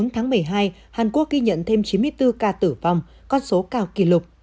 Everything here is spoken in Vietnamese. tháng một mươi hai hàn quốc ghi nhận thêm chín mươi bốn ca tử vong con số cao kỷ lục